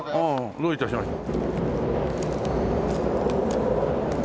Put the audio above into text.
どういたしまして。